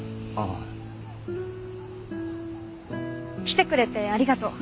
来てくれてありがとう。